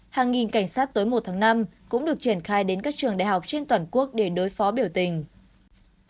hàng nghìn cảnh sát tối một tháng năm cũng được triển khai đến các trường đại học trên toàn quốc để đối phó biểu tình